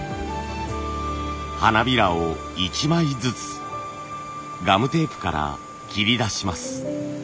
花びらを一枚ずつガムテープから切り出します。